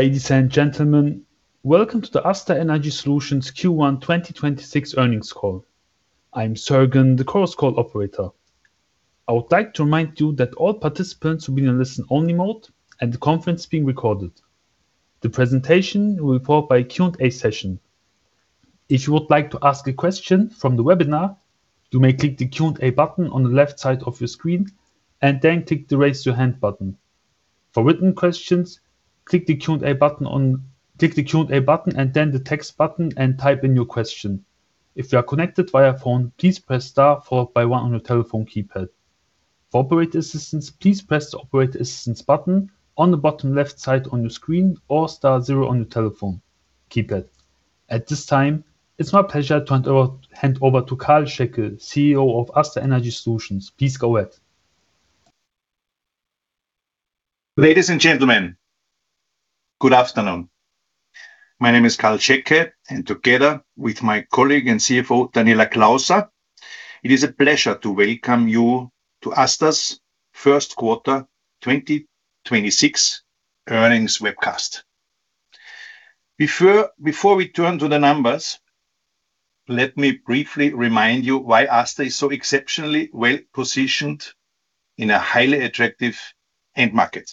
Ladies and gentlemen, welcome to the ASTA Energy Solutions Q1 2026 earnings call. I'm Sergen, the Chorus Call operator. I would like to remind you that all participants will be in a listen-only mode and the conference is being recorded. The presentation will be followed by a Q&A session. If you would like to ask a question from the webinar, you may click the Q&A button on the left side of your screen and then click the raise your hand button. For written questions, click the Q&A button, and then the text button and type in your question. If you are connected via phone, please press star one on your telephone keypad. For operator assistance, please press the operator assistance button on the bottom left side on your screen or star zero on your telephone keypad. At this time, it's my pleasure to hand over to Karl Schäcke, CEO of ASTA Energy Solutions. Please go ahead. Ladies and gentlemen, good afternoon. My name is Karl Schäcke, and together with my colleague and CFO, Daniela Klauser, it is a pleasure to welcome you to ASTA's first quarter 2026 earnings webcast. Before we turn to the numbers, let me briefly remind you why ASTA is so exceptionally well-positioned in a highly attractive end market.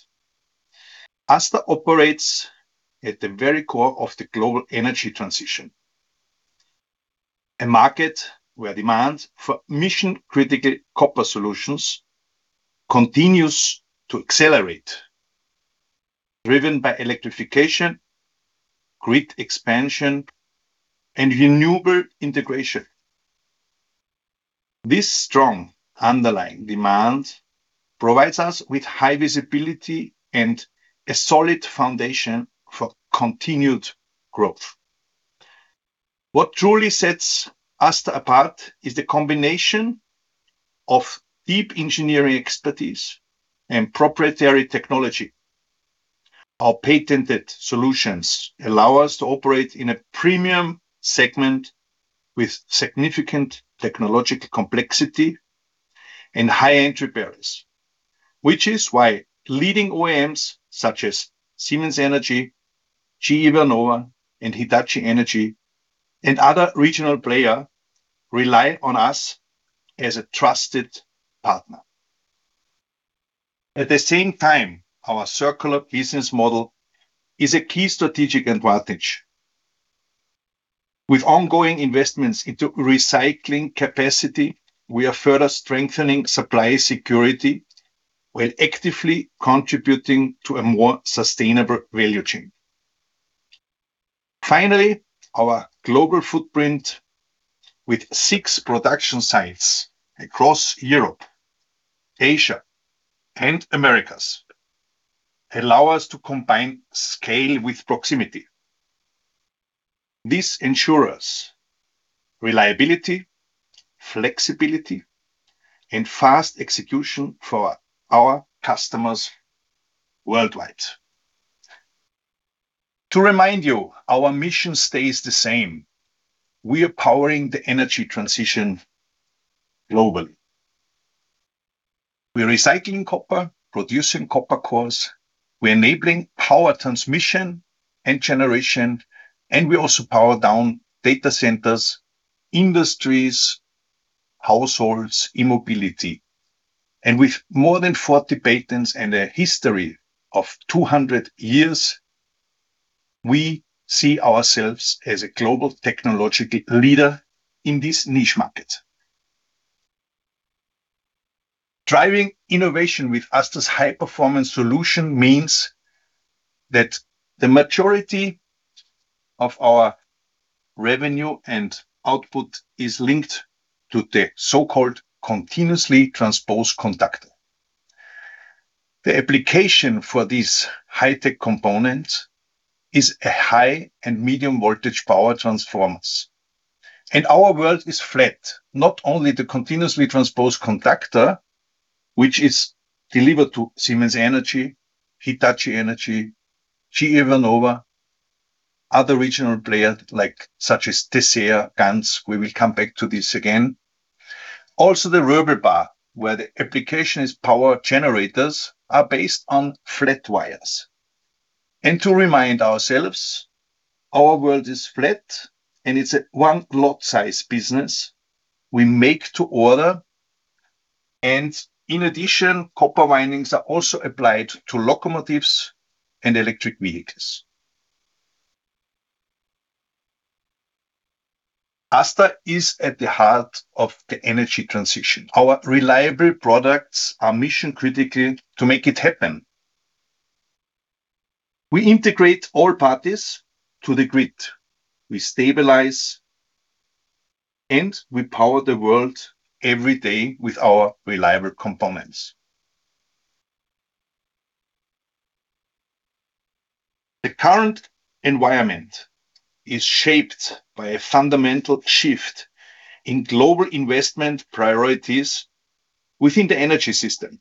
ASTA operates at the very core of the global energy transition, a market where demand for mission critical copper solutions continues to accelerate, driven by electrification, grid expansion, and renewable integration. This strong underlying demand provides us with high visibility and a solid foundation for continued growth. What truly sets ASTA apart is the combination of deep engineering expertise and proprietary technology. Our patented solutions allow us to operate in a premium segment with significant technological complexity and high entry barriers, which is why leading OEMs such as Siemens Energy, GE Vernova, and Hitachi Energy, and other regional player rely on us as a trusted partner. At the same time, our circular business model is a key strategic advantage. With ongoing investments into recycling capacity, we are further strengthening supply security, while actively contributing to a more sustainable value chain. Finally, our global footprint with six production sites across Europe, Asia, and Americas allow us to combine scale with proximity. This ensures reliability, flexibility, and fast execution for our customers worldwide. To remind you, our mission stays the same. We are powering the energy transition globally. We are recycling copper, producing copper cores, we are enabling power transmission and generation, and we also power down data centers, industries, households, eMobility. With more than 40 patents and a history of 200 years, we see ourselves as a global technological leader in this niche market. Driving innovation with ASTA's high-performance solution means that the majority of our revenue and output is linked to the so-called continuously transposed conductor. The application for this high-tech component is a high and medium voltage power transformers. Our world is flat, not only the continuously transposed conductor, which is delivered to Siemens Energy, Hitachi Energy, GE Vernova, other regional players such as Teseo, Ganz, we will come back to this again. Also, the Roebel bar, where the application is power generators are based on flat wires. To remind ourselves, our world is flat and it's a one lot size business. We make to order and in addition, copper windings are also applied to locomotives and electric vehicles. ASTA is at the heart of the energy transition. Our reliable products are mission critical to make it happen. We integrate all parties to the grid. We stabilize and we power the world every day with our reliable components. The current environment is shaped by a fundamental shift in global investment priorities within the energy system.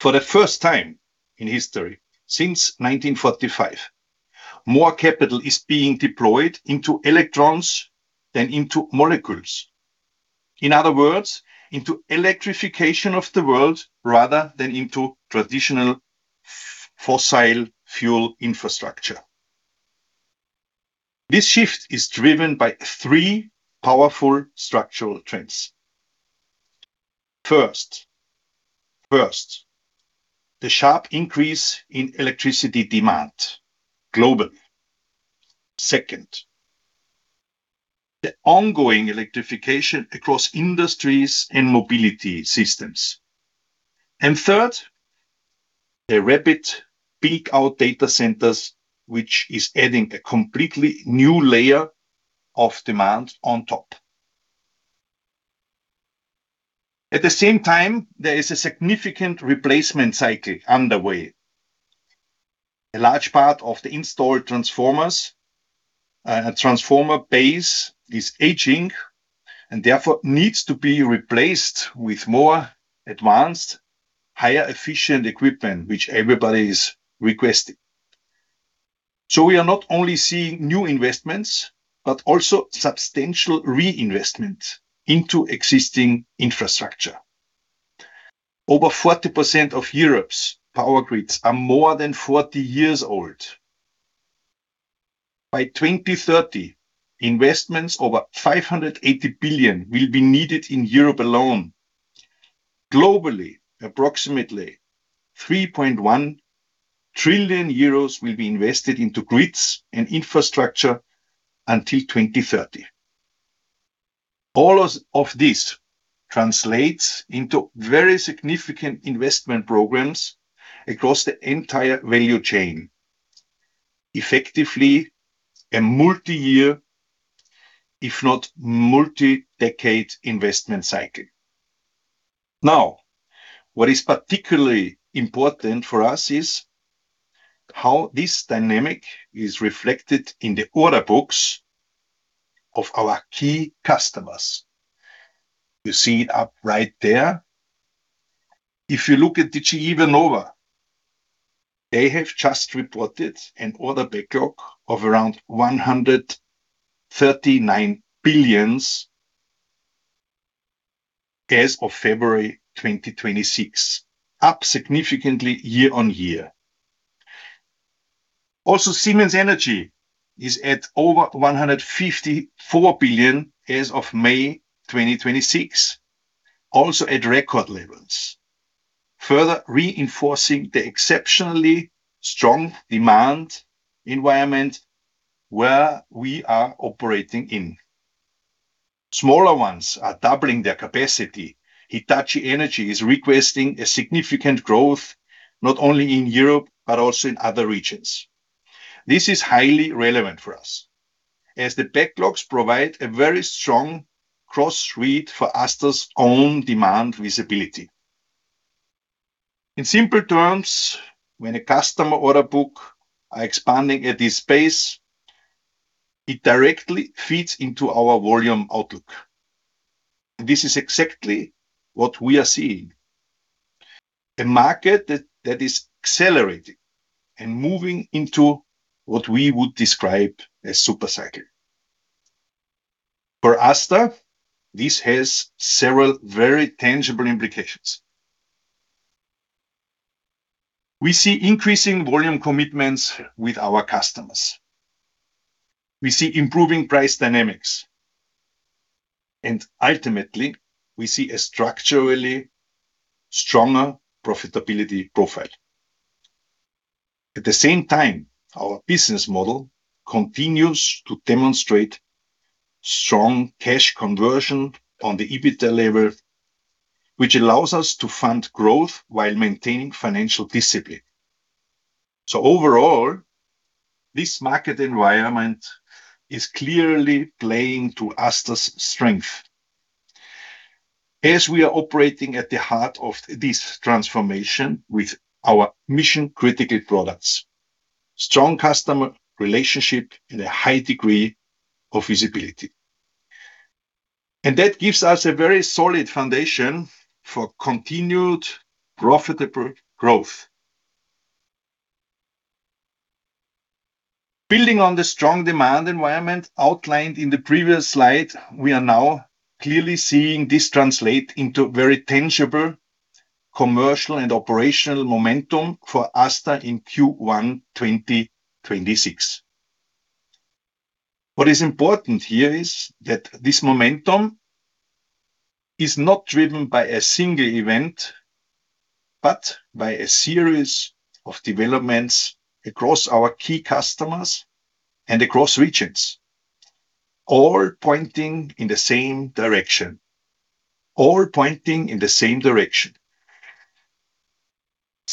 For the first time in history since 1945, more capital is being deployed into electrons than into molecules. In other words, into electrification of the world rather than into traditional fossil fuel infrastructure. This shift is driven by three powerful structural trends. First, the sharp increase in electricity demand globally. Second, the ongoing electrification across industries and mobility systems. Third, a rapid buildout of data centers, which is adding a completely new layer of demand on top. At the same time, there is a significant replacement cycle underway. A large part of the installed transformers, transformer base is aging and therefore needs to be replaced with more advanced, higher efficient equipment, which everybody is requesting. We are not only seeing new investments, but also substantial reinvestment into existing infrastructure. Over 40% of Europe's power grids are more than 40 years old. By 2030, investments over 580 billion will be needed in Europe alone. Globally, approximately 3.1 trillion euros will be invested into grids and infrastructure until 2030. All of this translates into very significant investment programs across the entire value chain, effectively a multi-year, if not multi-decade, investment cycle. What is particularly important for us is how this dynamic is reflected in the order books of our key customers. You see it up right there. If you look at GE Vernova, they have just reported an order backlog of around 139 billion as of February 2026, up significantly year-on-year. Siemens Energy is at over 154 billion as of May 2026, also at record levels, further reinforcing the exceptionally strong demand environment where we are operating in. Smaller ones are doubling their capacity. Hitachi Energy is requesting a significant growth, not only in Europe, but also in other regions. This is highly relevant for us, as the backlogs provide a very strong cross-read for ASTA's own demand visibility. In simple terms, when a customer order book are expanding at this pace, it directly feeds into our volume outlook. This is exactly what we are seeing. A market that is accelerating and moving into what we would describe a supercycle. For ASTA, this has several very tangible implications. We see increasing volume commitments with our customers. We see improving price dynamics, and ultimately, we see a structurally stronger profitability profile. At the same time, our business model continues to demonstrate strong cash conversion on the EBITDA level, which allows us to fund growth while maintaining financial discipline. Overall, this market environment is clearly playing to ASTA's strength as we are operating at the heart of this transformation with our mission-critical products, strong customer relationship and a high degree of visibility. That gives us a very solid foundation for continued profitable growth. Building on the strong demand environment outlined in the previous slide, we are now clearly seeing this translate into very tangible commercial and operational momentum for ASTA in Q1 2026. What is important here is that this momentum is not driven by a single event, but by a series of developments across our key customers and across regions, all pointing in the same direction.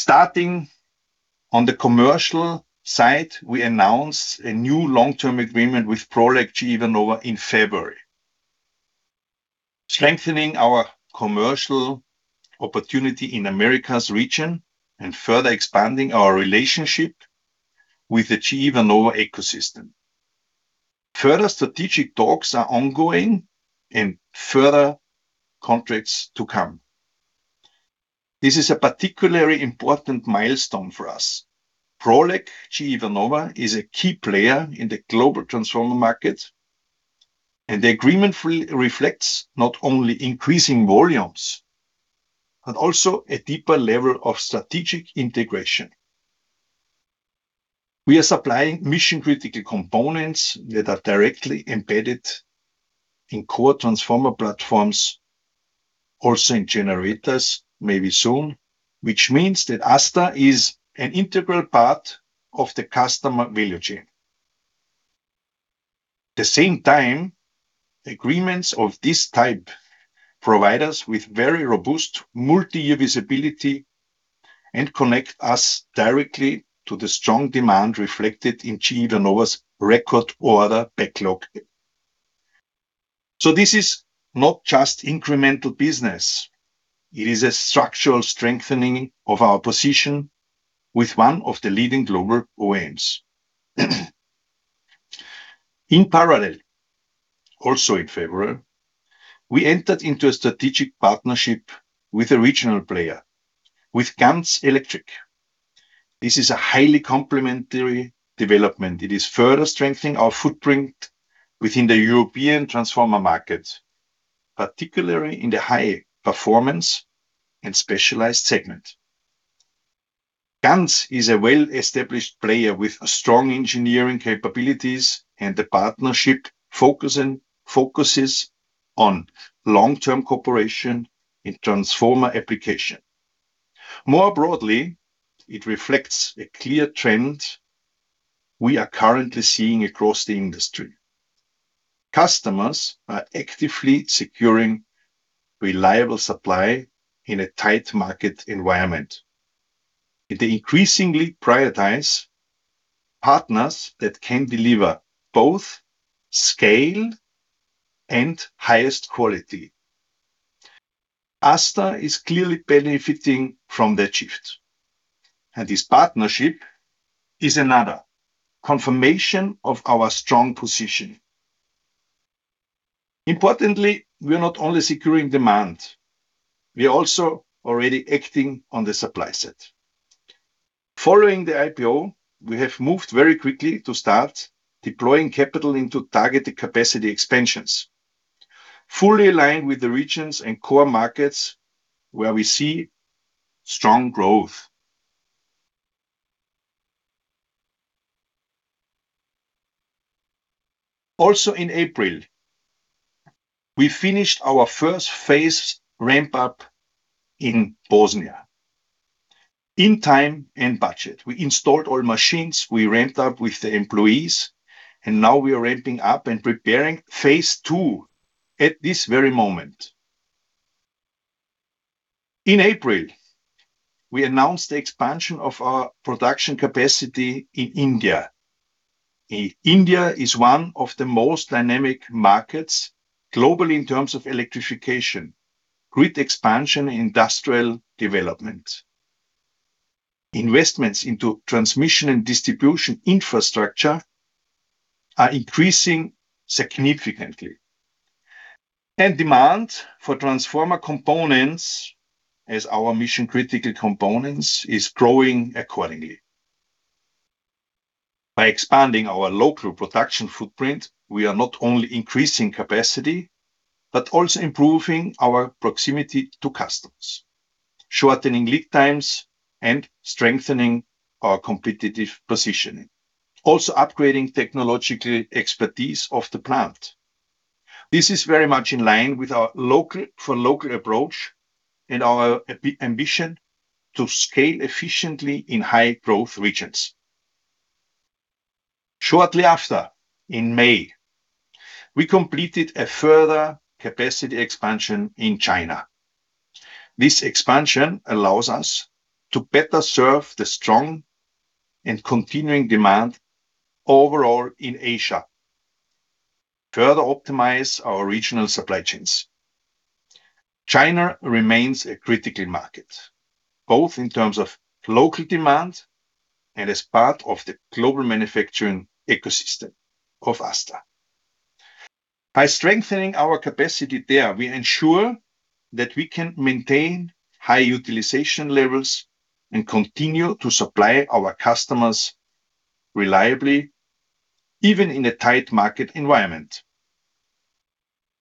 Starting on the commercial side, we announced a new long-term agreement with Prolec GE Vernova in February, strengthening our commercial opportunity in Americas region and further expanding our relationship with the GE Vernova ecosystem. Further strategic talks are ongoing and further contracts to come. This is a particularly important milestone for us. Prolec GE Vernova is a key player in the global transformer market, and the agreement reflects not only increasing volumes, but also a deeper level of strategic integration. We are supplying mission-critical components that are directly embedded in core transformer platforms, also in generators, maybe soon, which means that ASTA is an integral part of the customer value chain. At the same time, agreements of this type provide us with very robust multi-year visibility and connect us directly to the strong demand reflected in GE Vernova's record order backlog. This is not just incremental business, it is a structural strengthening of our position with one of the leading global OEMs. In parallel, also in February, we entered into a strategic partnership with a regional player, with Ganz Electric. This is a highly complementary development. It is further strengthening our footprint within the European transformer market, particularly in the high-performance and specialized segment. Ganz is a well-established player with strong engineering capabilities, and the partnership focuses on long-term cooperation in transformer application. More broadly, it reflects a clear trend we are currently seeing across the industry. Customers are actively securing reliable supply in a tight market environment, and they increasingly prioritize partners that can deliver both scale and highest quality. ASTA is clearly benefiting from that shift, and this partnership is another confirmation of our strong position. Importantly, we are not only securing demand, we are also already acting on the supply side. Following the IPO, we have moved very quickly to start deploying capital into targeted capacity expansions, fully aligned with the regions and core markets where we see strong growth. Also in April, we finished our first phase ramp-up in Bosnia, in time and budget. We installed all machines, we ramped up with the employees, and now we are ramping up and preparing phase II at this very moment. In April, we announced the expansion of our production capacity in India. India is one of the most dynamic markets globally in terms of electrification, grid expansion, and industrial development. Investments into transmission and distribution infrastructure are increasing significantly. Demand for transformer components as our mission-critical components is growing accordingly. By expanding our local production footprint, we are not only increasing capacity, but also improving our proximity to customers, shortening lead times and strengthening our competitive positioning, also upgrading technological expertise of the plant. This is very much in line with our local-for-local approach and our ambition to scale efficiently in high-growth regions. Shortly after, in May, we completed a further capacity expansion in China. This expansion allows us to better serve the strong and continuing demand overall in Asia, further optimize our regional supply chains. China remains a critical market, both in terms of local demand and as part of the global manufacturing ecosystem of ASTA. By strengthening our capacity there, we ensure that we can maintain high utilization levels and continue to supply our customers reliably, even in a tight market environment.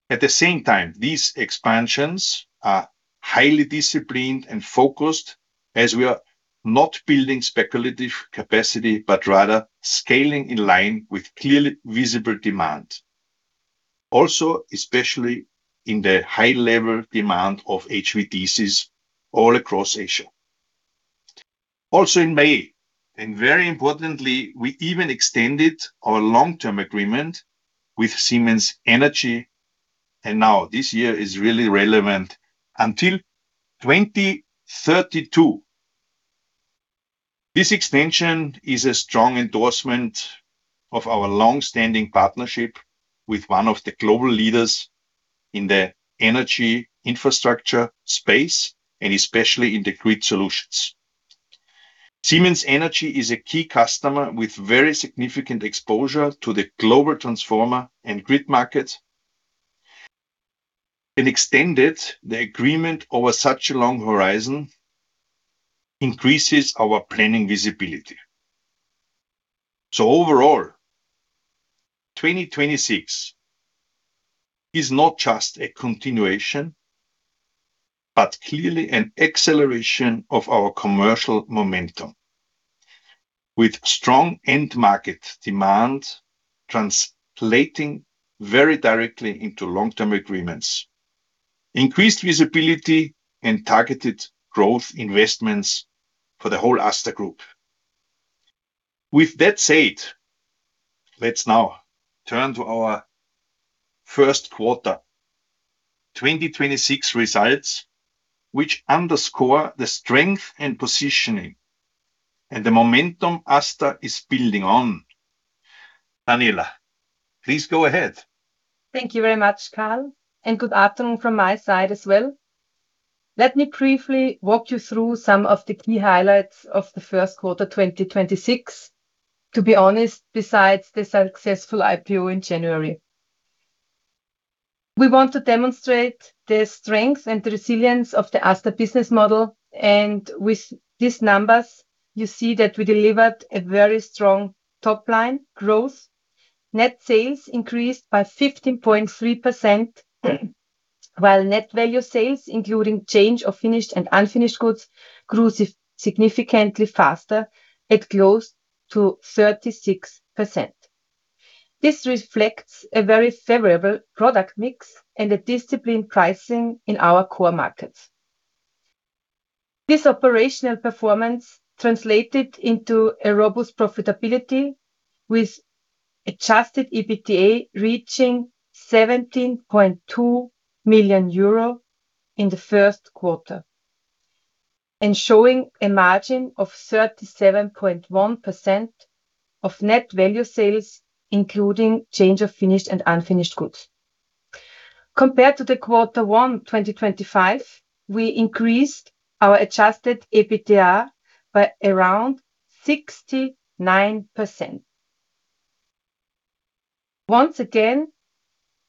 At the same time, these expansions are highly disciplined and focused as we are not building speculative capacity, but rather scaling in line with clearly visible demand. Especially in the high-level demand of HVDCs all across Asia. In May, very importantly, we even extended our long-term agreement with Siemens Energy, now this year is really relevant, until 2032. This extension is a strong endorsement of our long-standing partnership with one of the global leaders in the energy infrastructure space and especially in the grid solutions. Siemens Energy is a key customer with very significant exposure to the global transformer and grid market. Extended the agreement over such a long horizon increases our planning visibility. Overall, 2026 is not just a continuation, but clearly an acceleration of our commercial momentum. With strong end market demand translating very directly into long-term agreements, increased visibility, and targeted growth investments for the whole ASTA Group. That said, let's now turn to our first quarter 2026 results, which underscore the strength and positioning and the momentum ASTA is building on. Daniela, please go ahead. Thank you very much, Karl, and good afternoon from my side as well. Let me briefly walk you through some of the key highlights of the first quarter 2026, to be honest, besides the successful IPO in January. We want to demonstrate the strength and the resilience of the ASTA business model, and with these numbers, you see that we delivered a very strong top-line growth. Net sales increased by 15.3%, while net value sales, including change of finished and unfinished goods, grew significantly faster at close to 36%. This reflects a very favorable product mix and a disciplined pricing in our core markets. This operational performance translated into a robust profitability with adjusted EBITDA reaching 17.2 million euro in the first quarter and showing a margin of 37.1% of net value sales, including change of finished and unfinished goods. Compared to the quarter one 2025, we increased our adjusted EBITDA by around 69%. Once again,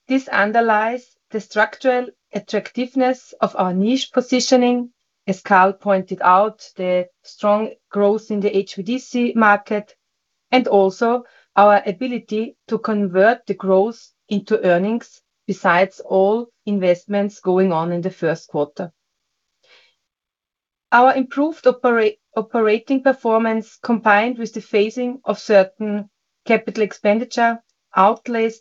this underlies the structural attractiveness of our niche positioning, as Karl pointed out, the strong growth in the HVDC market, and also our ability to convert the growth into earnings besides all investments going on in the first quarter. Our improved operating performance, combined with the phasing of certain capital expenditure outlays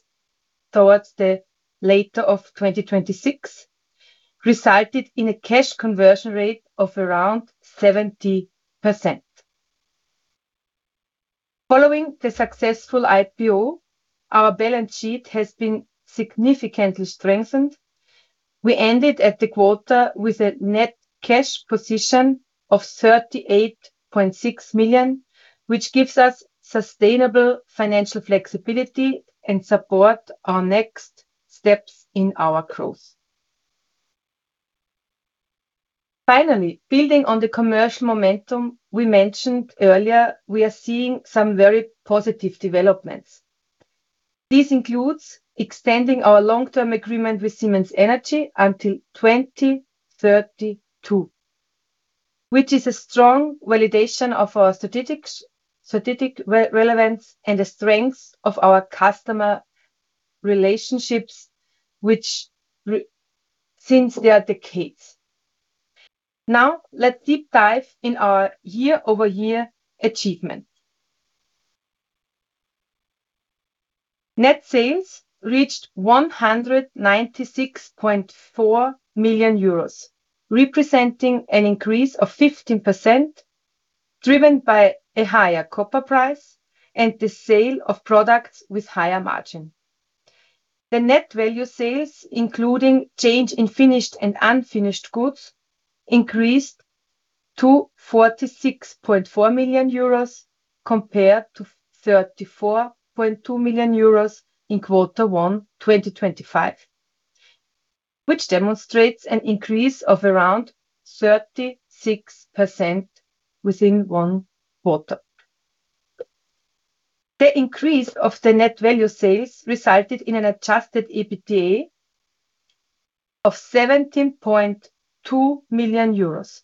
towards the later of 2026, resulted in a cash conversion rate of around 70%. Following the successful IPO, our balance sheet has been significantly strengthened. We ended at the quarter with a net cash position of 38.6 million, which gives us sustainable financial flexibility and support our next steps in our growth. Finally, building on the commercial momentum we mentioned earlier, we are seeing some very positive developments. This includes extending our long-term agreement with Siemens Energy until 2032, which is a strong validation of our strategic relevance and the strength of our customer relationships which since they are decades. Let's deep dive in our year-over-year achievement. Net sales reached 196.4 million euros, representing an increase of 15%, driven by a higher copper price and the sale of products with higher margin. The net value sales, including change in finished and unfinished goods, increased to 46.4 million euros compared to 34.2 million euros in quarter one 2025, which demonstrates an increase of around 36% within one quarter. The increase of the net value sales resulted in an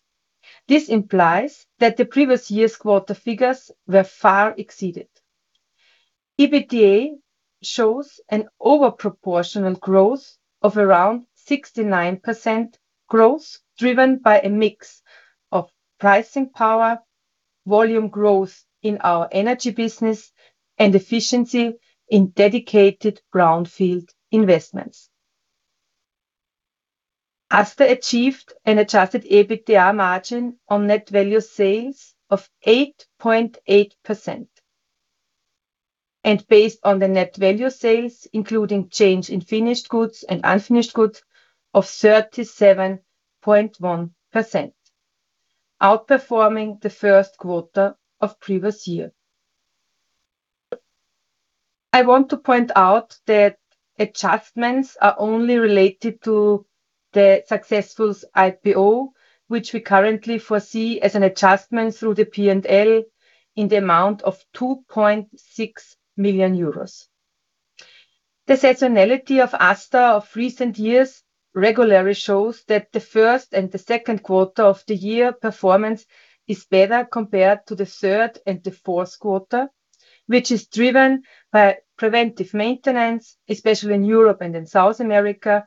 adjusted EBITDA of 17.2 million euros. This implies that the previous year's quarter figures were far exceeded. EBITDA shows an over proportional growth of around 69% growth, driven by a mix of pricing power, volume growth in our energy business, and efficiency in dedicated brownfield investments. ASTA achieved an adjusted EBITDA margin on net value sales of 8.8%. Based on the net value sales, including change in finished goods and unfinished goods, of 37.1%, outperforming the first quarter of previous year. I want to point out that adjustments are only related to the successful IPO, which we currently foresee as an adjustment through the P&L in the amount of 2.6 million euros. The seasonality of ASTA of recent years regularly shows that the first and the second quarter of the year performance is better compared to the third and the fourth quarter, which is driven by preventive maintenance, especially in Europe and in South America,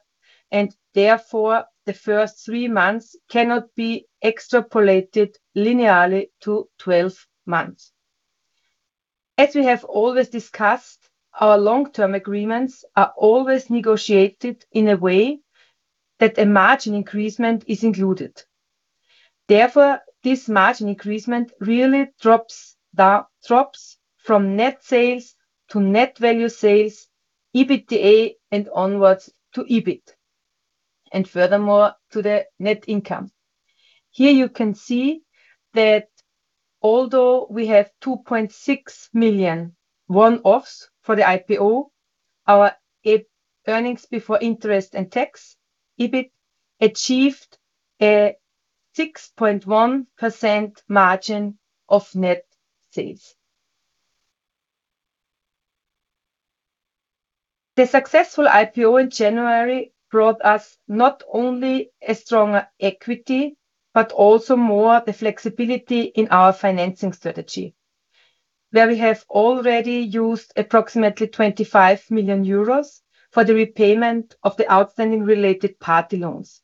and therefore the first three months cannot be extrapolated linearly to 12 months. As we have always discussed, our long-term agreements are always negotiated in a way that a margin increasement is included. This margin increasement really drops from net sales to net value sales, EBITDA, and onwards to EBIT, and furthermore to the net income. Here you can see that although we have 2.6 million one-offs for the IPO, our earnings before interest and tax, EBIT, achieved a 6.1% margin of net sales. The successful IPO in January brought us not only a stronger equity, but also more the flexibility in our financing strategy, where we have already used approximately 25 million euros for the repayment of the outstanding related party loans,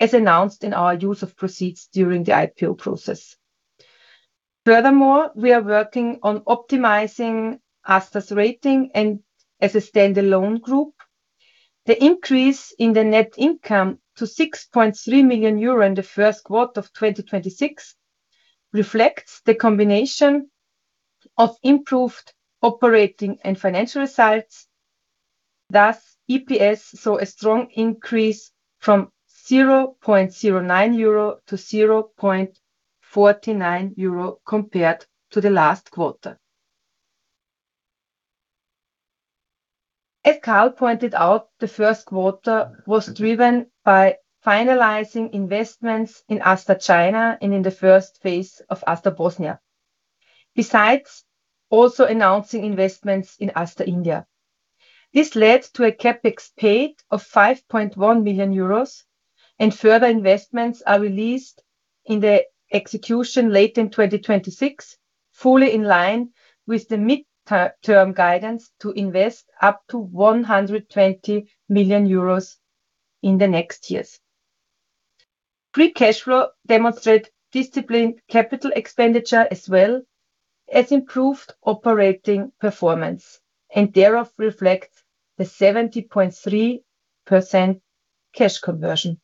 as announced in our use of proceeds during the IPO process. We are working on optimizing ASTA's rating and as a standalone group. The increase in the net income to 6.3 million euro in the first quarter of 2026 reflects the combination of improved operating and financial results. Thus, EPS saw a strong increase from 0.09 euro to 0.49 euro compared to the last quarter. As Karl pointed out, the first quarter was driven by finalizing investments in ASTA China and in the first phase of ASTA Bosnia. Besides also announcing investments in ASTA India. This led to a CapEx paid of 5.1 million euros and further investments are released in the execution late in 2026, fully in line with the midterm guidance to invest up to 120 million euros in the next years. Free cash flow demonstrate disciplined capital expenditure as well as improved operating performance, and thereof reflects the 70.3% cash conversion.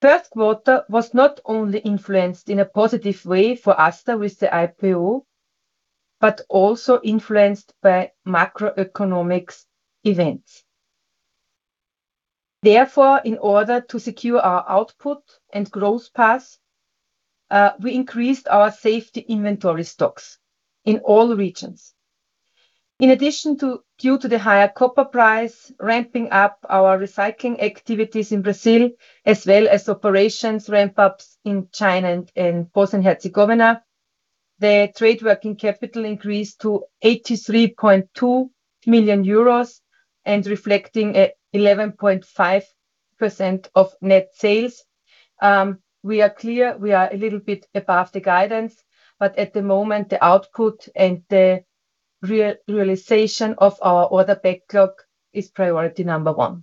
First quarter was not only influenced in a positive way for ASTA with the IPO, but also influenced by macroeconomics events. In order to secure our output and growth path, we increased our safety inventory stocks in all regions. Due to the higher copper price ramping up our recycling activities in Brazil as well as operations ramp-ups in China and Bosnia and Herzegovina, the trade working capital increased to 83.2 million euros and reflecting a 11.5% of net sales. We are clear we are a little bit above the guidance, at the moment, the output and the realization of our order backlog is priority number one.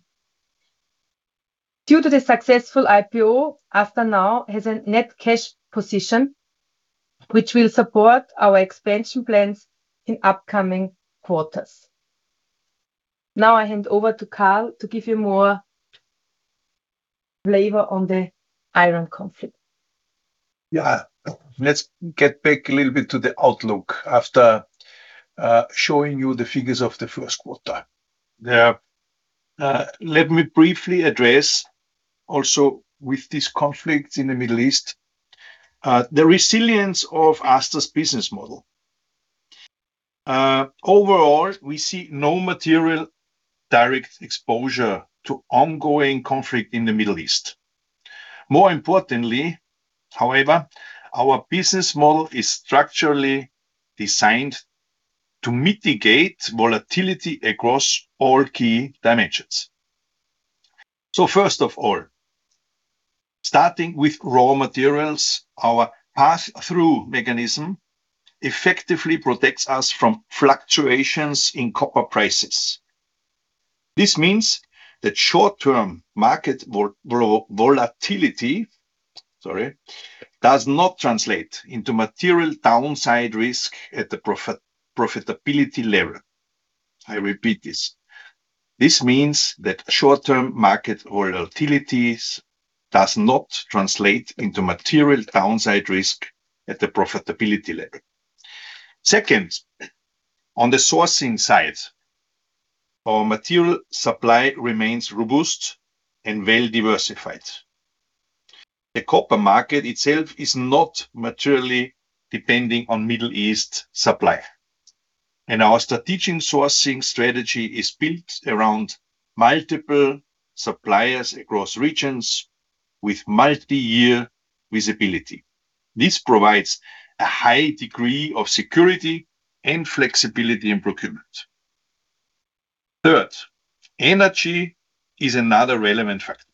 Due to the successful IPO, ASTA now has a net cash position which will support our expansion plans in upcoming quarters. I hand over to Karl to give you more flavor on the Iran conflict. Let's get back a little bit to the outlook after showing you the figures of the first quarter. Let me briefly address also with this conflict in the Middle East, the resilience of ASTA's business model. Overall, we see no material direct exposure to ongoing conflict in the Middle East. More importantly, however, our business model is structurally designed to mitigate volatility across all key dimensions. First of all, starting with raw materials, our pass-through mechanism effectively protects us from fluctuations in copper prices. This means that short-term market volatility, sorry, does not translate into material downside risk at the profitability level. I repeat this. This means that short-term market volatility does not translate into material downside risk at the profitability level. Second, on the sourcing side, our material supply remains robust and well-diversified. The copper market itself is not materially depending on Middle East supply, our strategic sourcing strategy is built around multiple suppliers across regions with multi-year visibility. This provides a high degree of security and flexibility in procurement. Third, energy is another relevant factor,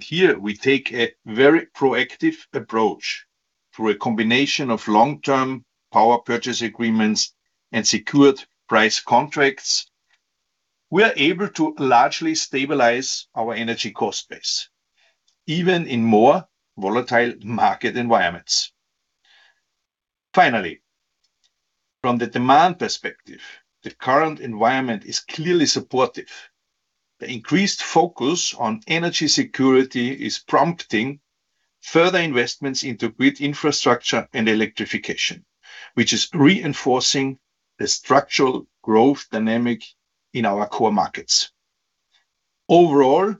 here we take a very proactive approach through a combination of long-term power purchase agreements and secured price contracts. We are able to largely stabilize our energy cost base, even in more volatile market environments. Finally, from the demand perspective, the current environment is clearly supportive. The increased focus on energy security is prompting further investments into grid infrastructure and electrification, which is reinforcing the structural growth dynamic in our core markets. Overall,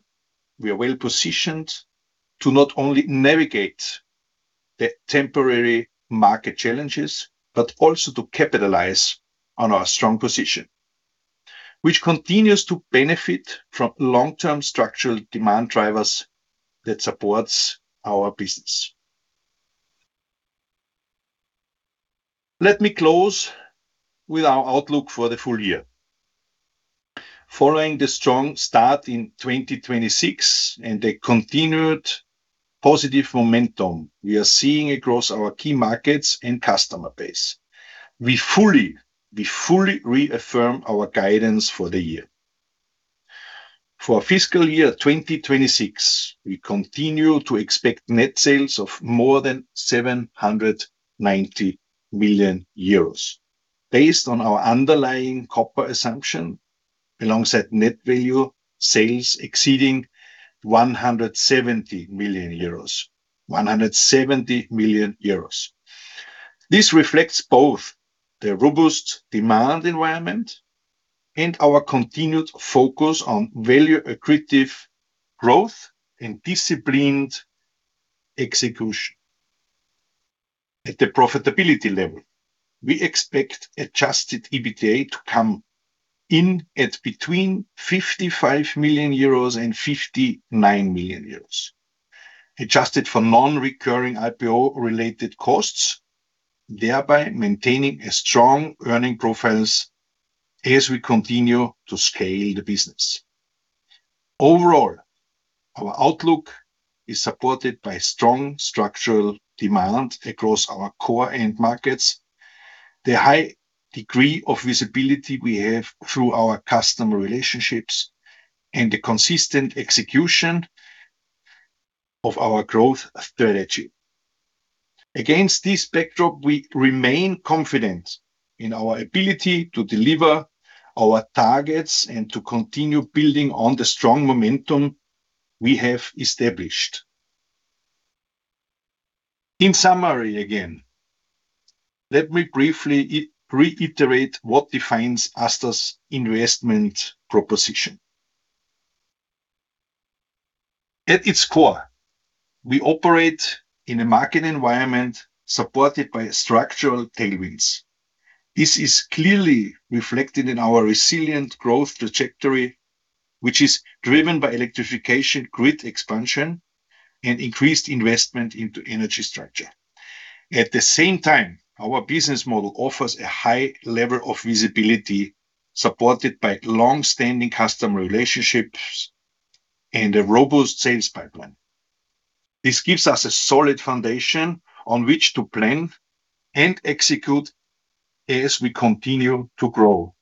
we are well positioned to not only navigate the temporary market challenges, but also to capitalize on our strong position, which continues to benefit from long-term structural demand drivers that supports our business. Let me close with our outlook for the full year. Following the strong start in 2026 and the continued positive momentum we are seeing across our key markets and customer base, we fully reaffirm our guidance for the year. For fiscal year 2026, we continue to expect net sales of more than 790 million euros, based on our underlying copper assumption, alongside net value sales exceeding 170 million euros. This reflects both the robust demand environment and our continued focus on value-accretive growth and disciplined execution. At the profitability level, we expect adjusted EBITDA to come in at between 55 million euros and 59 million euros, adjusted for non-recurring IPO-related costs, thereby maintaining a strong earning profiles as we continue to scale the business. Overall, our outlook is supported by strong structural demand across our core end markets, the high degree of visibility we have through our customer relationships, and the consistent execution of our growth strategy. Against this backdrop, we remain confident in our ability to deliver our targets and to continue building on the strong momentum we have established. In summary again, let me briefly reiterate what defines ASTA's investment proposition. At its core, we operate in a market environment supported by structural tailwinds. This is clearly reflected in our resilient growth trajectory, which is driven by electrification grid expansion and increased investment into energy structure. At the same time, our business model offers a high level of visibility, supported by long-standing customer relationships and a robust sales pipeline. This gives us a solid foundation on which to plan and execute as we continue to grow.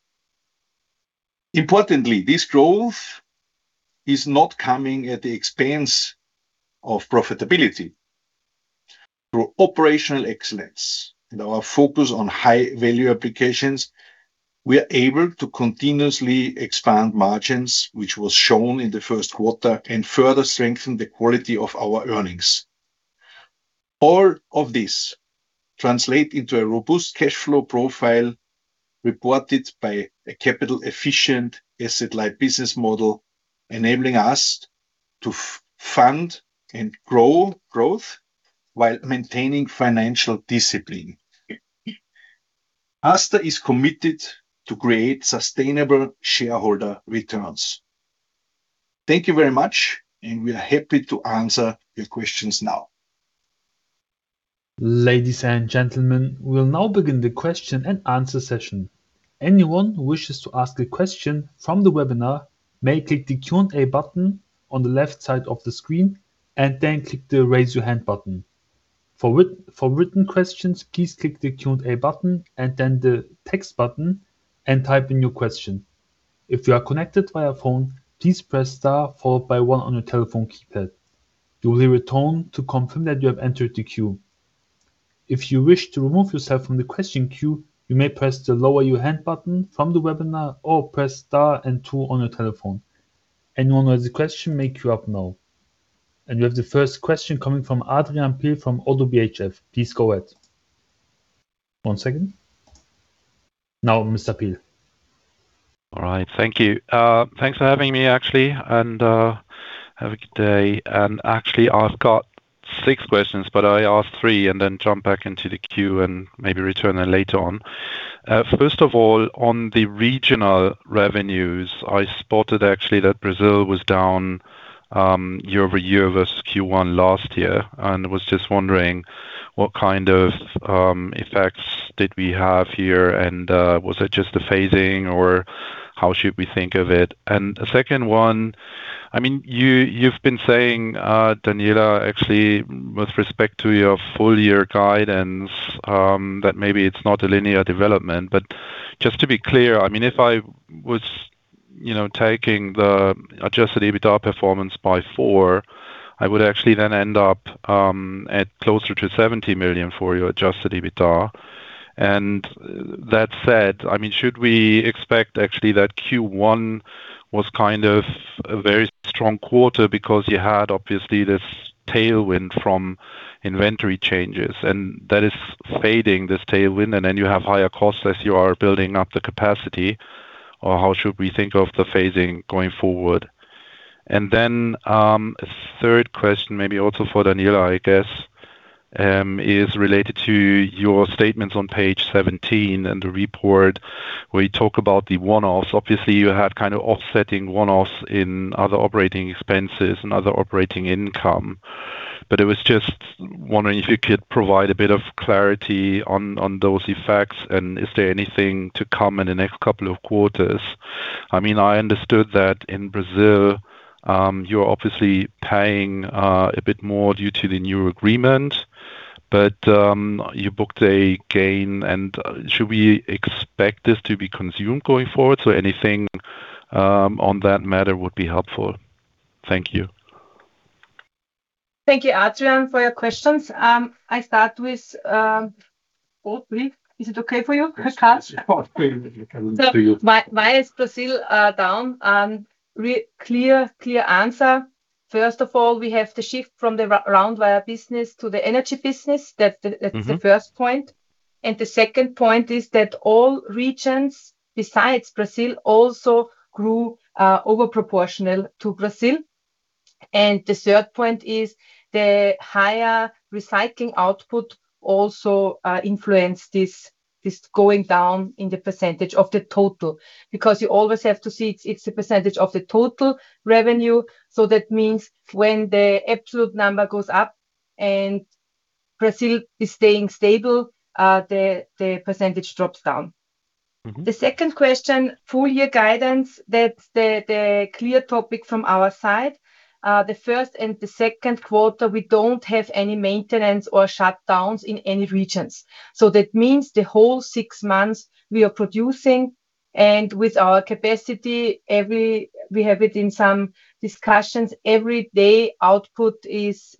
Importantly, this growth is not coming at the expense of profitability. Through operational excellence and our focus on high-value applications, we are able to continuously expand margins, which was shown in the first quarter, and further strengthen the quality of our earnings. All of this translate into a robust cash flow profile reported by a capital-efficient, asset-light business model, enabling us to fund and grow growth while maintaining financial discipline. ASTA is committed to create sustainable shareholder returns. Thank you very much, and we are happy to answer your questions now. Ladies and gentlemen, we will now begin the question-and-answer session. Anyone who wishes to ask a question from the webinar may click the Q&A button on the left side of the screen and then click the Raise Your Hand button. For written questions, please click the Q&A button and then the Text button and type in your question. If you are connected via phone, please press star followed by one on your telephone keypad. You will hear a tone to confirm that you have entered the queue. If you wish to remove yourself from the question queue, you may press the Lower Your Hand button from the webinar or press star and two on your telephone. Anyone who has a question may queue up now. We have the first question coming from Adrian Pehl from ODDO BHF. Please go ahead. Now, Mr. Pehl. All right. Thank you. Thanks for having me, actually, and have a good day. Actually, I've got six questions, but I ask three and then jump back into the queue and maybe return there later on. First of all, on the regional revenues, I spotted actually that Brazil was down year-over-year versus Q1 last year, and was just wondering what kind of effects did we have here, and was it just a phasing or how should we think of it? A second one, you've been saying, Daniela, actually, with respect to your full year guidance, that maybe it's not a linear development. Just to be clear, if I was taking the adjusted EBITDA performance by four, I would actually then end up at closer to 70 million for your adjusted EBITDA. That said, should we expect actually that Q1 was kind of a very strong quarter because you had, obviously, this tailwind from inventory changes, and that is fading this tailwind, and then you have higher costs as you are building up the capacity, or how should we think of the phasing going forward? Then, third question maybe also for Daniela, I guess, is related to your statements on page 17 in the report where you talk about the one-offs. Obviously, you had kind of offsetting one-offs in other operating expenses and other operating income. I was just wondering if you could provide a bit of clarity on those effects, and is there anything to come in the next couple of quarters? I understood that in Brazil, you're obviously paying a bit more due to the new agreement, but you booked a gain, and should we expect this to be consumed going forward? Anything on that matter would be helpful. Thank you. Thank you, Adrian, for your questions. I start with all three. Is it okay for you, Karl? Yes. It's all three you can do. Why is Brazil down? Clear answer. First of all, we have to shift from the round wire business to the energy business. That's the first point. The second point is that all regions besides Brazil also grew over proportional to Brazil. The third point is the higher recycling output also influenced this going down in the percentage of the total. You always have to see it's a percentage of the total revenue. That means when the absolute number goes up and Brazil is staying stable, the percentage drops down. The second question, full year guidance, that's the clear topic from our side. The first and the second quarter, we don't have any maintenance or shutdowns in any regions. That means the whole six months we are producing and with our capacity, we have it in some discussions, every day output is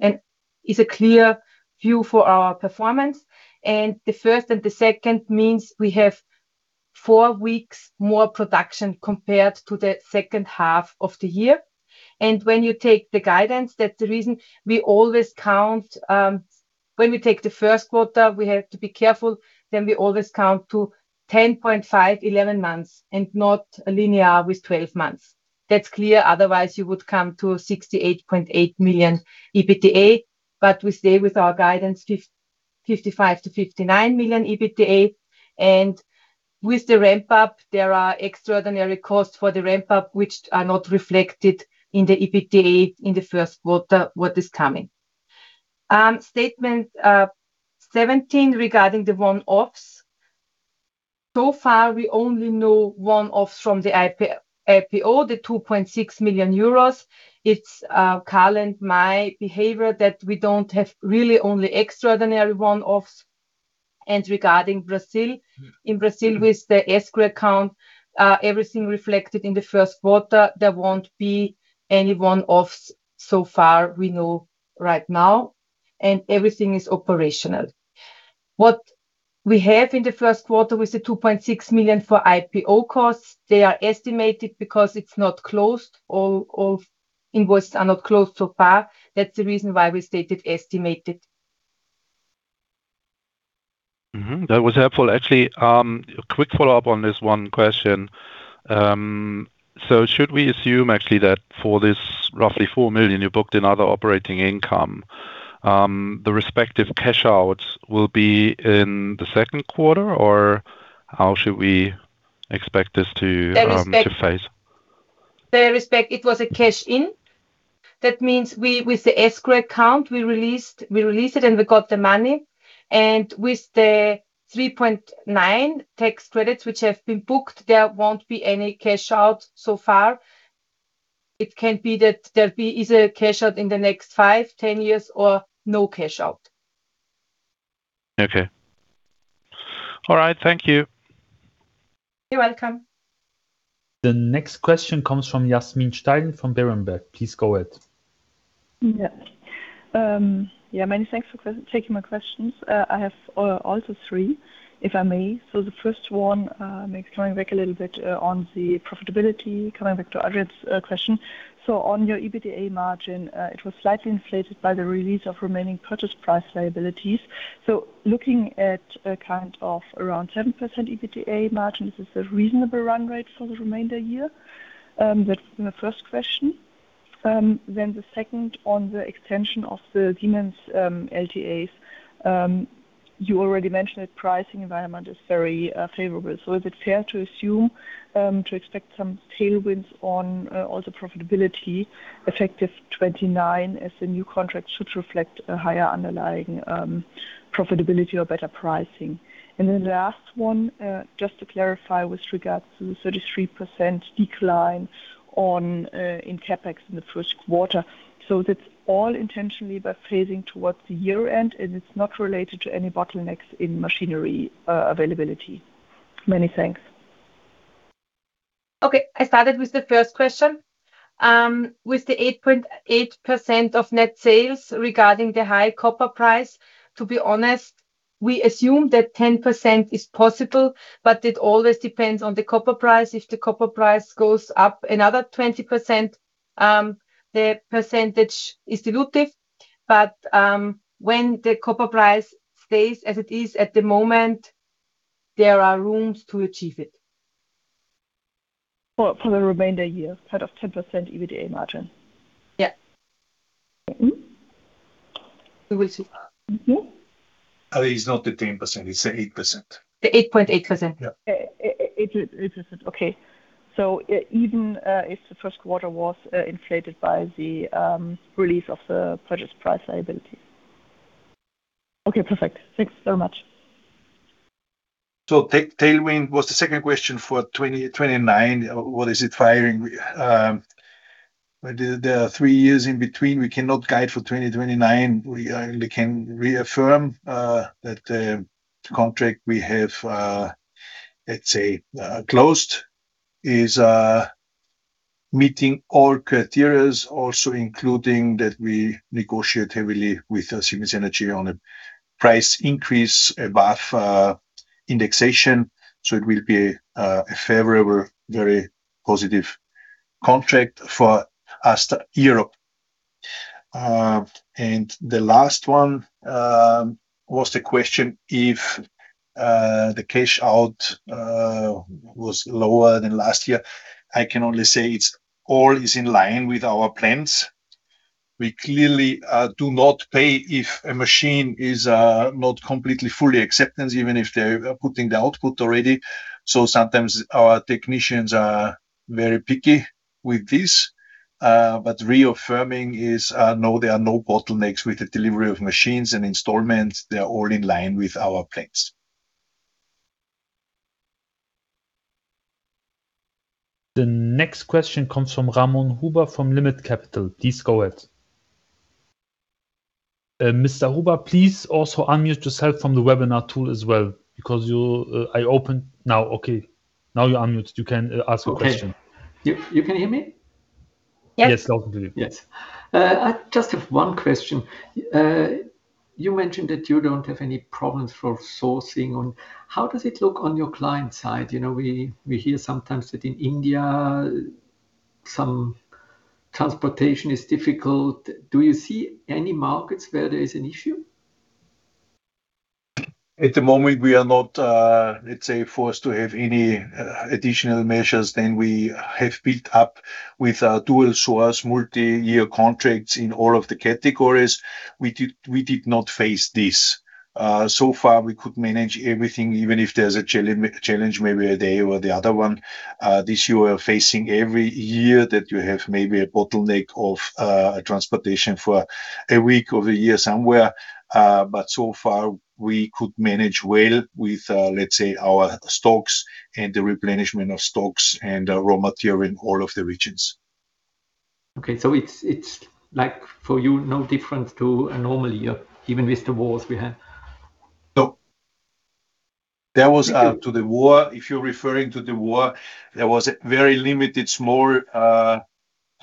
a clear view for our performance. The first and the second means we have four weeks more production compared to the second half of the year. When you take the guidance, that's the reason we always count. When we take the first quarter, we have to be careful, we always count to 10.5-11 months and not linear with 12 months. That's clear, otherwise you would come to 68.8 million EBITDA. We stay with our guidance, 55 million-59 million EBITDA. With the ramp-up, there are extraordinary costs for the ramp-up, which are not reflected in the EBITDA in the first quarter what is coming. Statement 17 regarding the one-offs. We only know one-offs from the IPO, the 2.6 million euros. It's Karl and my behavior that we don't have really only extraordinary one-offs. Regarding Brazil, in Brazil with the escrow account, everything reflected in the first quarter, there won't be any one-offs so far we know right now, and everything is operational. What we have in the first quarter with the 2.6 million for IPO costs, they are estimated because it's not closed. All invoices are not closed so far. That's the reason why we stated estimated. That was helpful. Actually, quick follow-up on this one question. Should we assume actually that for this roughly 4 million you booked in other operating income, the respective cash outs will be in the second quarter, or how should we expect this to [The respect]- be phased? The respect, it was a cash in. Means with the escrow account, we released it and we got the money. With the 3.9 million tax credits which have been booked, there won't be any cash out so far. It can be that there be either cash out in the next 5-10 years or no cash out. Okay. All right. Thank you. You're welcome. The next question comes from Jasmin Steinheil from Berenberg. Please go ahead. Yeah. Many thanks for taking my questions. I have also three, if I may. The first one, maybe coming back a little bit on the profitability, coming back to Adrian's question. On your EBITDA margin, it was slightly inflated by the release of remaining purchase price liabilities. Looking at a kind of around 7% EBITDA margin, is this a reasonable run-rate for the remainder year? That's the first question. The second on the extension of the Siemens LTAs. You already mentioned that pricing environment is very favorable. Is it fair to assume to expect some tailwinds on also profitability effective 2029 as the new contract should reflect a higher underlying profitability or better pricing? The last one, just to clarify with regards to the 33% decline in CapEx in the first quarter. That's all intentionally by phasing towards the year-end, and it's not related to any bottlenecks in machinery availability. Many thanks. Okay. I started with the first question. With the 8.8% of net sales regarding the high copper price, to be honest, we assume that 10% is possible, but it always depends on the copper price. If the copper price goes up another 20%, the percentage is dilutive. When the copper price stays as it is at the moment, there are rooms to achieve it. For the remainder year, part of 10% EBITDA margin. Yeah. Mm-hmm. It is not the 10%, it's the 8%. The 8.8%. Yeah. 8.8%, okay. Even if the first quarter was inflated by the release of the purchase price liability. Okay, perfect. Thanks very much. Tailwind was the second question for 2029. What is it firing? There are three years in between. We cannot guide for 2029. We only can reaffirm that the contract we have, let's say, closed is meeting all criteria, also including that we negotiate heavily with Siemens Energy on a price increase above indexation. It will be a favorable, very positive contract for us to Europe. The last one was the question if the cash out was lower than last year. I can only say it's all is in line with our plans. We clearly do not pay if a machine is not completely fully acceptance, even if they're putting the output already. Sometimes our technicians are very picky with this. Reaffirming is, no, there are no bottlenecks with the delivery of machines and installments. They are all in line with our plans. The next question comes from Ramon Huber from Limmat Capital. Please go ahead. Mr. Huber, please also unmute yourself from the webinar tool as well. Now you're unmuted. You can ask your question. Okay. You can hear me? Yes. Yes, definitely. Yes. I just have one question. You mentioned that you don't have any problems for sourcing on. How does it look on your client side? We hear sometimes that in India, some transportation is difficult. Do you see any markets where there is an issue? At the moment, we are not, let's say, forced to have any additional measures than we have built up with our dual source multi-year contracts in all of the categories. We did not face this. So far, we could manage everything, even if there's a challenge, maybe a day or the other one. This you are facing every year that you have maybe a bottleneck of transportation for a week of a year somewhere. So far, we could manage well with, let's say, our stocks and the replenishment of stocks and raw material in all of the regions. Okay. It's like for you, no different to a normal year, even with the wars we have. No. There was to the war, if you're referring to the war, there was a very limited small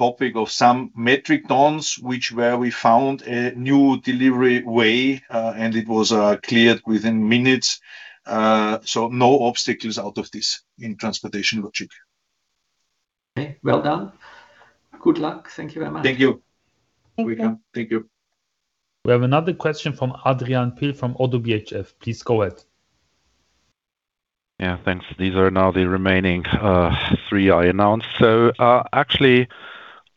topic of some metric tons, which where we found a new delivery way, and it was cleared within minutes. No obstacles out of this in transportation logic. Okay, well done. Good luck. Thank you very much. Thank you. Thank you. Welcome. Thank you. We have another question from Adrian Pehl from ODDO BHF. Please go ahead. Thanks. These are now the remaining three I announced. Actually,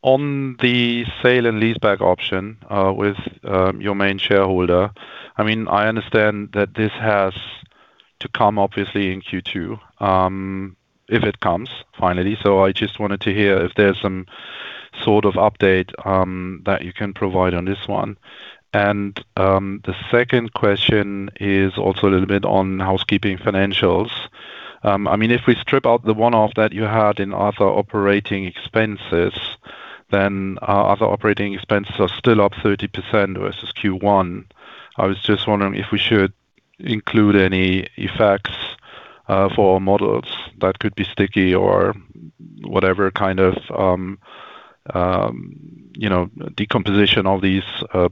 on the sale and leaseback option with your main shareholder, I understand that this has to come obviously in Q2, if it comes finally. I just wanted to hear if there's some sort of update that you can provide on this one. The second question is also a little bit on housekeeping financials. If we strip out the one-off that you had in other operating expenses, our other operating expenses are still up 30% versus Q1. I was just wondering if we should include any effects for our models that could be sticky or whatever kind of decomposition of these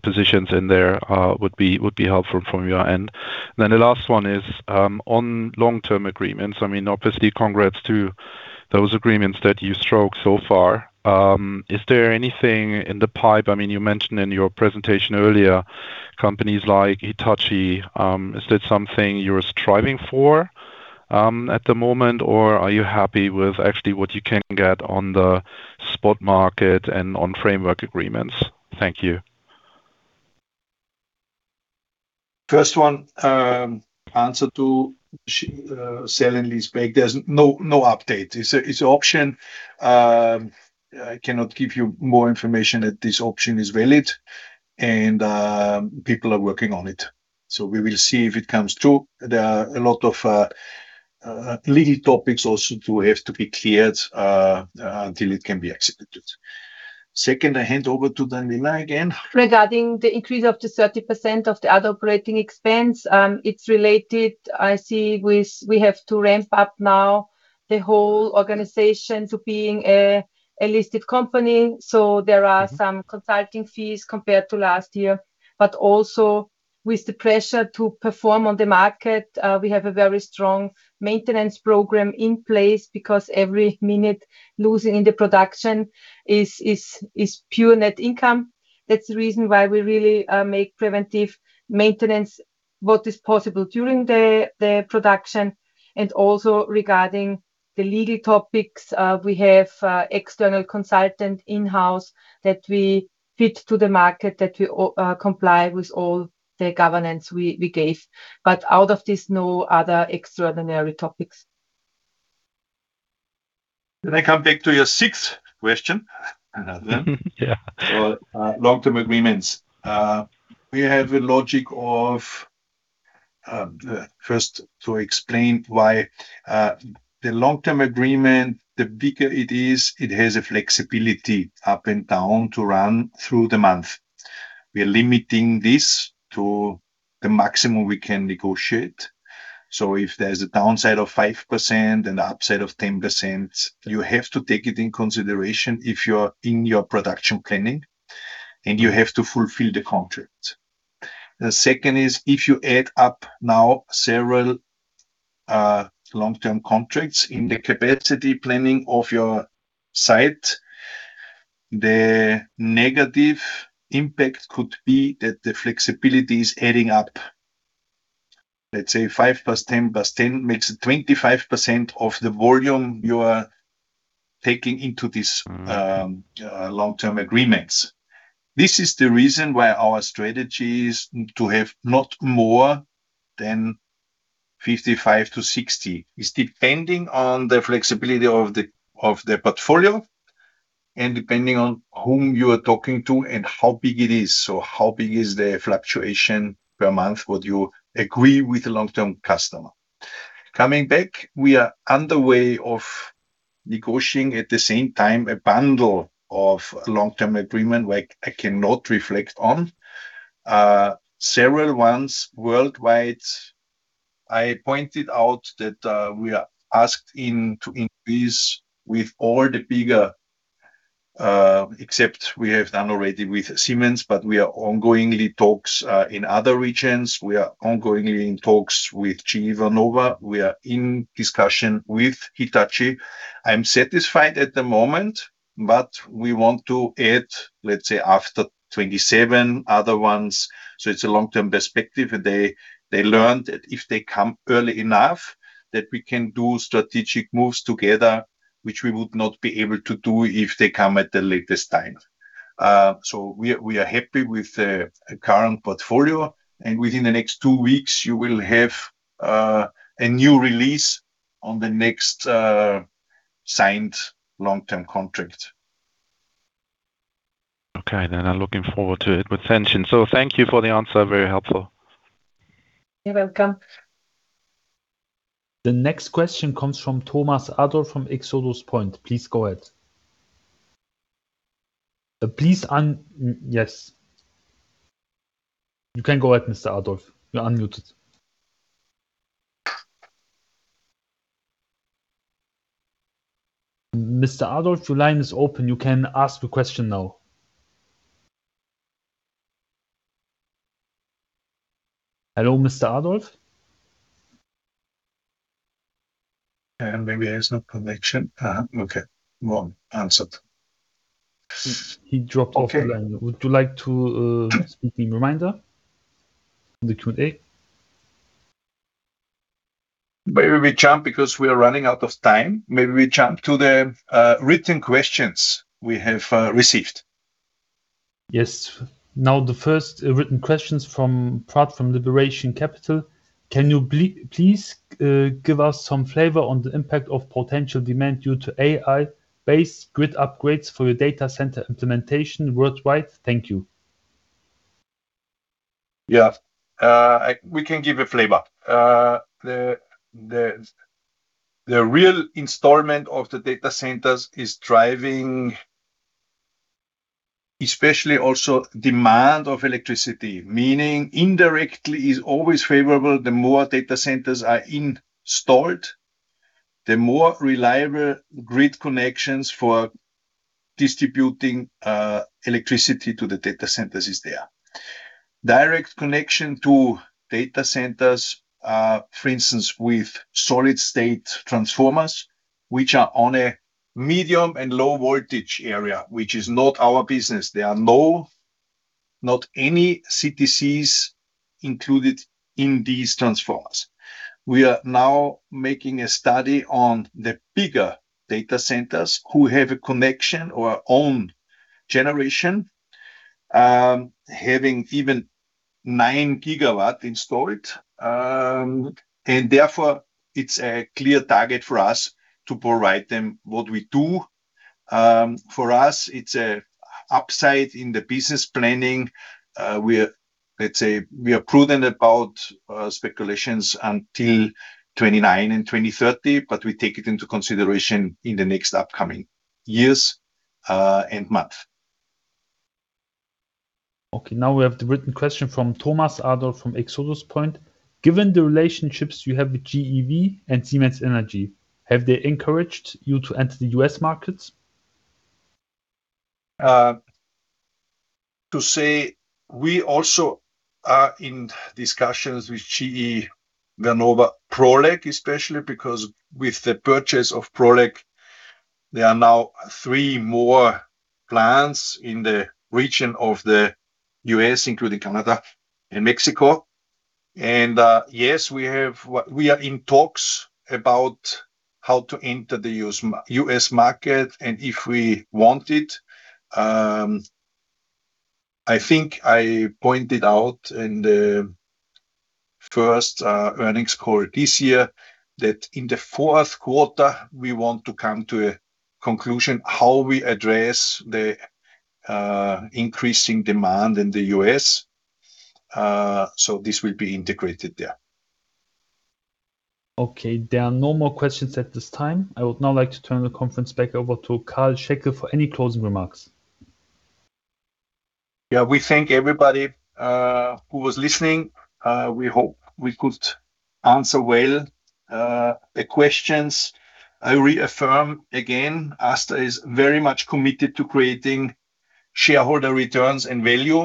positions in there would be helpful from your end. The last one is on long-term agreements. Obviously, congrats to those agreements that you struck so far. Is there anything in the pipe? You mentioned in your presentation earlier companies like Hitachi. Is that something you are striving for at the moment, or are you happy with actually what you can get on the spot market and on framework agreements? Thank you. First one, answer to sell and lease back. There's no update. It's an option. I cannot give you more information that this option is valid, and people are working on it. We will see if it comes through. There are a lot of legal topics also to have to be cleared until it can be executed. Second, I hand over to Daniela again. Regarding the increase of the 30% of the other operating expense, it's related, I see, with we have to ramp-up now the whole organization to being a listed company. There are some consulting fees compared to last year. Also with the pressure to perform on the market, we have a very strong maintenance program in place because every minute losing in the production is pure net income. That's the reason why we really make preventive maintenance what is possible during the production. Also regarding the legal topics, we have external consultant in-house that we fit to the market that we comply with all the governance we gave. Out of this, no other extraordinary topics. I come back to your sixth question then. Yeah. For long-term agreements. We have a logic of, first to explain why the long-term agreement, the bigger it is, it has a flexibility up and down to run through the month. We are limiting this to the maximum we can negotiate. If there's a downside of 5% and a upside of 10%, you have to take it in consideration if you're in your production planning, and you have to fulfill the contract. The second is if you add up now several long-term contracts in the capacity planning of your site, the negative impact could be that the flexibility is adding up, let's say, 5% plus 10% plus 10% makes it 25% of the volume you are taking into this long-term agreements. This is the reason why our strategy is to have not more than 55%-60%. It's depending on the flexibility of the portfolio and depending on whom you are talking to and how big it is. How big is the fluctuation per month what you agree with the long-term customer. We are underway of negotiating at the same time a bundle of long-term agreement where I cannot reflect on. Several ones worldwide, I pointed out that we are asked in to increase with all the bigger, except we have done already with Siemens, but we are ongoingly talks, in other regions. We are ongoingly in talks with GE Vernova. We are in discussion with Hitachi. I'm satisfied at the moment, but we want to add, let's say, after 2027, other ones. It's a long-term perspective. They learned that if they come early enough, that we can do strategic moves together, which we would not be able to do if they come at the latest time. We are happy with the current portfolio, and within the next two weeks, you will have a new release on the next signed long-term contract. Okay. I'm looking forward to it with tension. Thank you for the answer. Very helpful. You're welcome. The next question comes from Thomas Adolff from ExodusPoint. Please go ahead. Yes. You can go ahead, Mr. Adolff. You're unmuted. Mr. Adolff, your line is open. You can ask your question now. Hello, Mr. Adolff? Maybe there's no connection. Okay. Wrong answered. He dropped off the line. Okay. Would you me like to speak in reminder on the Q&A? Maybe we jump because we are running out of time. Maybe we jump to the written questions we have received. Yes. Now the first written questions from [Prat from Liberation Capital]. Can you please give us some flavor on the impact of potential demand due to AI-based grid upgrades for your data center implementation worldwide? Thank you. Yeah. We can give a flavor. The real installation of the data centers is driving, especially also demand of electricity, meaning indirectly is always favorable. The more data centers are installed, the more reliable grid connections for distributing electricity to the data centers is there. Direct connection to data centers, for instance, with solid-state transformers, which are on a medium and low voltage area, which is not our business. There are not any CTCs included in these transformers. We are now making a study on the bigger data centers who have a connection or own generation, having even 9 GW installed. Therefore, it's a clear target for us to provide them what we do. For us, it's an upside in the business planning. Let's say we are prudent about speculations until 2029 and 2030. We take it into consideration in the next upcoming years and months. Okay, now we have the written question from Thomas Adolff from ExodusPoint. Given the relationships you have with GEV and Siemens Energy, have they encouraged you to enter the U.S. market? To say we also are in discussions with GE Vernova Prolec, especially because with the purchase of Prolec, there are now three more plants in the region of the U.S., including Canada and Mexico. Yes, we are in talks about how to enter the U.S. market and if we want it. I think I pointed out in the first earnings call this year that in the fourth quarter, we want to come to a conclusion how we address the increasing demand in the U.S. So this will be integrated there. Okay. There are no more questions at this time. I would now like to turn the conference back over to Karl Schäcke for any closing remarks. We thank everybody who was listening. We hope we could answer well the questions. I reaffirm again, ASTA is very much committed to creating shareholder returns and value,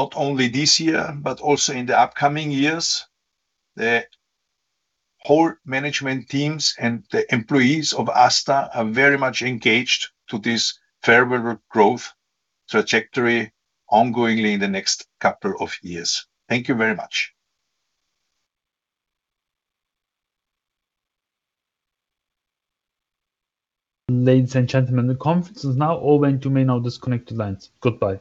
not only this year, but also in the upcoming years. The whole management teams and the employees of ASTA are very much engaged to this fair value growth trajectory ongoingly in the next couple of years. Thank you very much. Ladies and gentlemen, the conference is now over and you may now disconnect your lines. Goodbye.